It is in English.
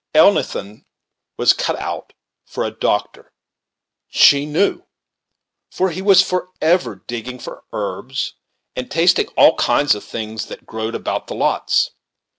"Elnathan was cut out for a doctor, she knew, for he was forever digging for herbs, and tasting all kinds of things that grow'd about the lots.